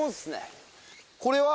これは？